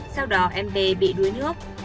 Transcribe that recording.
sau đó em b bị đuối nước